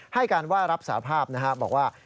ให้การว่ารับสาภาพนะครับบอกว่า